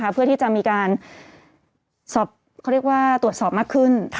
เพื่อที่จะมีการตรวจสอบมากขึ้น